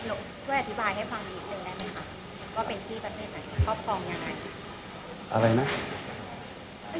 อเรนนี่ค่ะหนูจะอธิบายให้ฟังอีกหนึ่งหน่อยว่าเป็นที่กระเทศไหนครอบครองอย่างไร